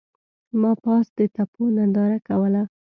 ما پاس د تپو ننداره کوله.